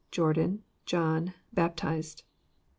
Jordan... John,.. baptized.